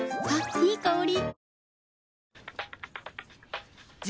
いい香り。